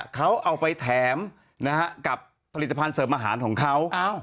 เขาเอาไปแถมกับผลิตภัณฑ์เสริมอาหารของเขา